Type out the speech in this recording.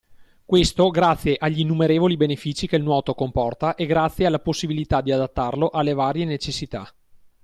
Questo grazie agli innumerevoli benefici che il nuoto comporta e grazie alla possibilità di adattarlo alle varie necessità.